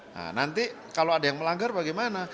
nah nanti kalau ada yang melanggar bagaimana